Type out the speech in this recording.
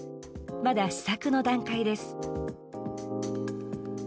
まだ試作の段階です。